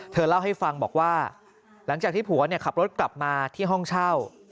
เธอเล่าให้ฟังบอกว่าหลังจากที่ผัวขับรถกลับมาที่ห้องเช่า